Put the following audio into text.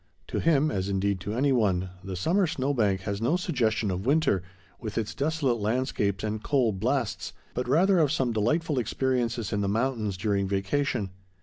To him, as, indeed, to any one, the summer snow bank has no suggestion of winter, with its desolate landscapes and cold blasts, but rather of some delightful experiences in the mountains during vacation.